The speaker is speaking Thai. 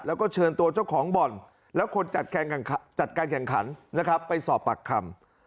แล้วก็เชิญตัวเจ้าของบ่อนและคนจัดการแข่งขันนะครับไปสอบปากคำ